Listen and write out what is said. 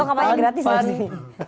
lo kampanye gratis gak sih